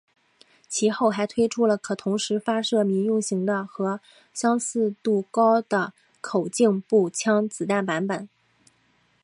其后还推出了可同时发射民用型的和相似高的口径步枪子弹版本。